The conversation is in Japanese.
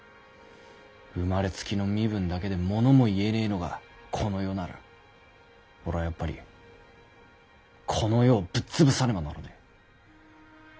生まれつきの身分だけでものも言えねぇのがこの世なら俺はやっぱりこの世をぶっつぶさねばならねぇ！